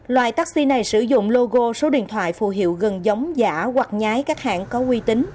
loại taxi này sử dụng logo số điện thoại phù hiệu gần giống giả hoặc nhái các hãng có quy tính